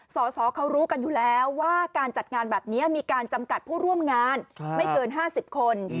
สอสอเขารู้กันอยู่แล้วว่าการจัดงานแบบนี้มีการจำกัดผู้ร่วมงานไม่เกิน๕๐คน